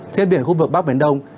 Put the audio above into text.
trên biển khu vực bắc biển đông